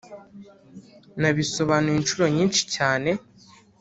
Nabisobanuye inshuro nyinshi cyane